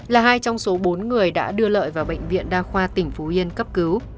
là hai trong số bốn người đã đưa lợi vào bệnh viện đa khoa tỉnh phú yên cấp cứu